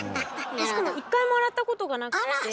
しかも一回も洗ったことがなくて。